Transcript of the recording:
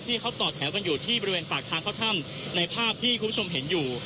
ที่เขาต่อแถวกันอยู่ที่บริเวณปากทางเข้าถ้ำในภาพที่คุณผู้ชมเห็นอยู่